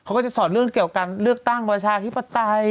เขาก็จะสอนเรื่องเกี่ยวการเลือกตั้งประชาธิปไตย